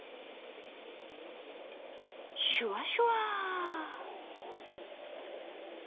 シュワシュワー！